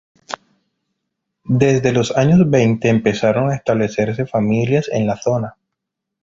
Desde los años veinte empiezan a establecerse familias en la zona.